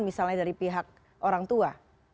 misalnya dari pihak orang tua